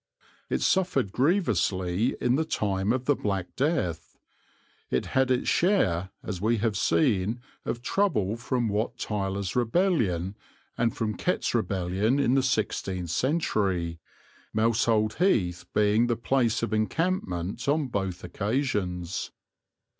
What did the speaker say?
It suffered grievously in the time of the Black Death. It had its share, as we have seen, of trouble from Wat Tyler's rebellion and from Kett's rebellion in the sixteenth century, Mousehold Heath being the place of encampment on both occasions.